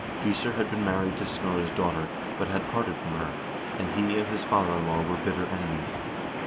Gissur had been married to Snorre's daugh ter, but had parted from her, and he and his father in law were bitter enemies.